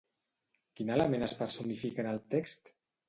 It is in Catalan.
Quin element es personifica en el text?